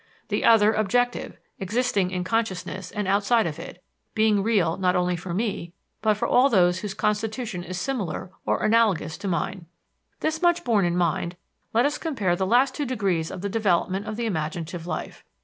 The other, objective, existing in consciousness and outside of it, being real not only for me but for all those whose constitution is similar or analogous to mine. This much borne in mind, let us compare the last two degrees of the development of the imaginative life.